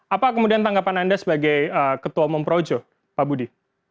apa kemudian tanggapan anda sebagai ketua umum projo pak budi